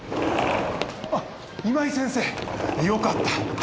あっ今井先生よかった。